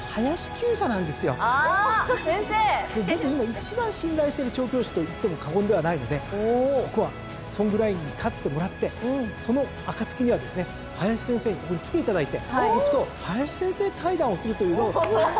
今一番信頼してる調教師と言っても過言ではないのでここはソングラインに勝ってもらってその暁にはですね林先生にここに来ていただいて僕と林先生対談をするというひそかな夢なんですよね。